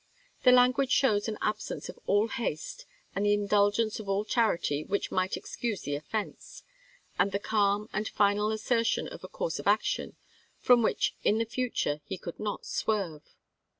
The language shows an absence of all haste and the indulgence of all charity which might excuse the offense, and the calm and final asser tion of a course of action from which in the future he could not swerve.